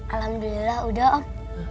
alhamdulillah udah om